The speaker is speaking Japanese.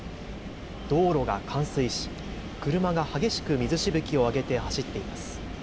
道路が冠水し、車が激しく水しぶきを上げて走っています。